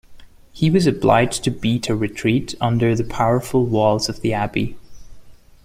He was obliged to beat a retreat under the powerful walls of the abbey.